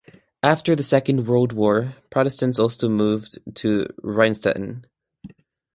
After the second world war, Protestants also moved to Rheinstetten.